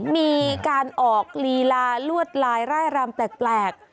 มีการออกลีลาลวดลายร่ายรำแปลก